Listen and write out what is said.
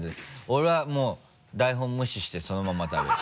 俺はもう台本無視してそのまま食べる。